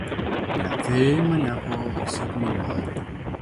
Nyathi manyako osiep min mare